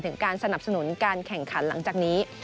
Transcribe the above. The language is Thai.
การสนับสนุนการแข่งขันหลังจากนี้